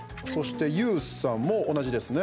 ＹＯＵさんも同じですね。